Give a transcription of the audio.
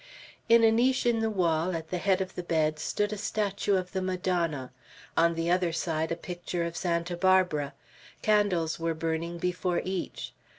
In a niche in the wall, at the head of the bed, stood a statue of the Madonna, on the other side a picture of Santa Barbara. Candles were burning before each.